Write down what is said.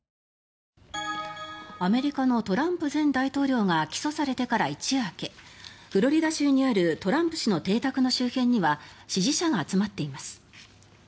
アメリカのトランプ前大統領が起訴されてから一夜明けフロリダ州にあるトランプ氏の邸宅の周辺には支持者が集まっています。